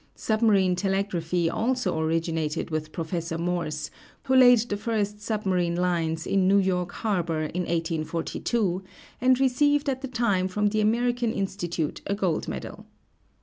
Submarine telegraphy also originated with Prof. Morse, who laid the first sub marine lines, in New York harbor in 1842, and received at the time from the American Institute a gold medal.